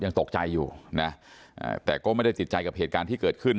ยังตกใจอยู่นะแต่ก็ไม่ได้ติดใจกับเหตุการณ์ที่เกิดขึ้น